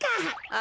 あ！